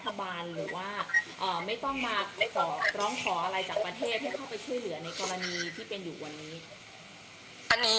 เพื่อเข้าไปช่วยเหลือในกรณีที่เป็นอยู่วันนี้